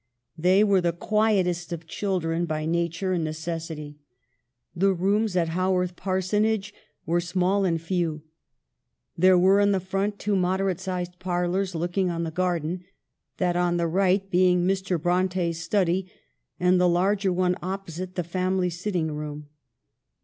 They were the quietest of children by nature and necessity. The rooms at Haworth Parsonage were small and few. There were in front two moderate sized parlors looking on the garden, that on the right being Mr. Bronte's study, and the larger one opposite the family sitting room.